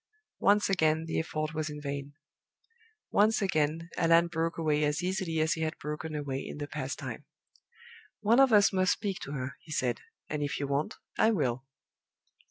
Once again the effort was in vain. Once again Allan broke away as easily as he had broken away in the past time. "One of us must speak to her," he said. "And if you won't, I will."